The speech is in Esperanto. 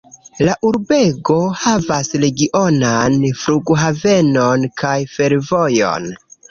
La urbego havas regionan flughavenon kaj fervojon.